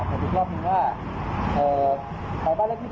ไม่มีคนอยู่มานานแล้ว